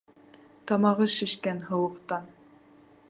Тамағы шешкән, һыуыҡтан.